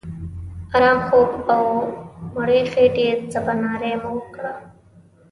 آرام خوب او مړې خېټې سباناري مو وکړه.